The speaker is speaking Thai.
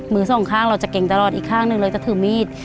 สองข้างเราจะเก่งตลอดอีกข้างหนึ่งเราจะถือมีด